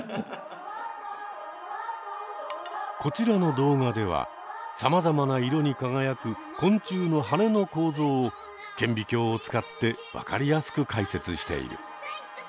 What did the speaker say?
こちらの動画ではさまざまな色に輝く昆虫の羽の構造を顕微鏡を使って分かりやすく解説している。